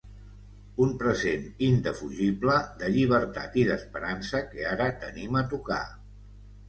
Un present, indefugible, de llibertat i d’esperança que ara tenim a tocar.